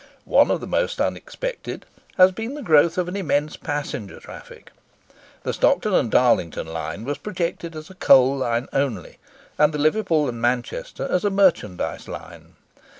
One of the most unexpected has been the growth of an immense passenger traffic. The Stockton and Darlington line was projected as a coal line only, and the Liverpool and Manchester as a merchandise line.